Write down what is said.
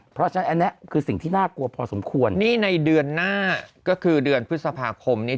เพราะฉะนั้นอันนี้คือสิ่งที่น่ากลัวพอสมควรนี่ในเดือนหน้าก็คือเดือนพฤษภาคมนี้